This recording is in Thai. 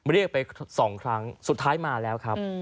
เรียกไป๒ครั้งสุดท้ายมาแล้วครับ